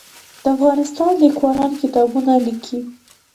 د افغانستان لیکوالان کتابونه لیکي